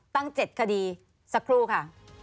ตั้ง๗คดีสักครู่ค่ะ